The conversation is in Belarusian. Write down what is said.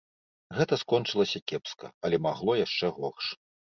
Гэта скончылася кепска, але магло яшчэ горш.